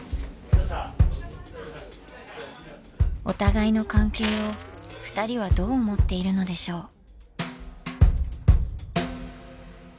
お互いの関係をふたりはどう思っているのでしょう？